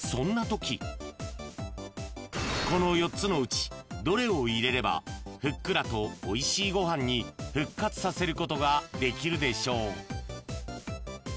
［この４つのうちどれを入れればふっくらとおいしいご飯に復活させることができるでしょう？］